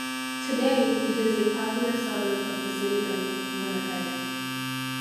Today, it is a popular suburb of the City of Winnipeg.